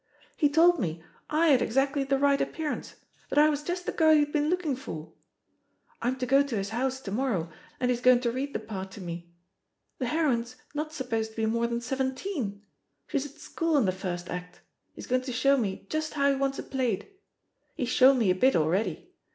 He told me 2«« THE POSITION OF PEGGY HARPER I had exactly the right appearance, that I was just the girl he'd been looking for. ..• I'm to go to his house to morrow, and he's going to read the part to me. The heroine's not supposed to be more than seventeen — she's at school in the first act ; he's going to show me just how he wants it played. He's shown me a bit already.